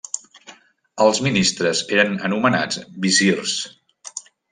Els ministres eren anomenats visirs.